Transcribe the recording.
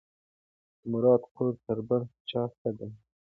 د مراد کور تر بل چا ښه دی.